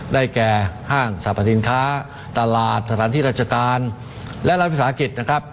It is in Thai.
ได้แก่ห้างสรรพสินค้าตลาดสถานที่ราชการและรัฐศาสตร์ศาสตร์อังกฤษนะครับ